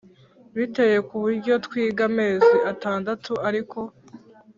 biteye ku buryo twiga amezi atandatu ariko